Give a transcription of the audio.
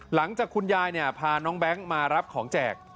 หลังจากคุณยายพาน้องแบงค์มารับของแจก